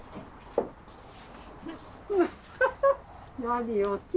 何よ